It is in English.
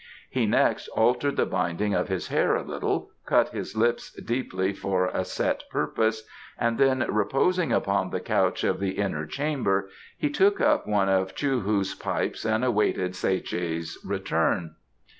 He next altered the binding of his hair a little, cut his lips deeply for a set purpose, and then reposing upon the couch of the inner chamber he took up one of Chou hu's pipes and awaited Tsae che's return.